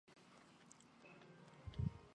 近代日本对妓院则多了汤屋。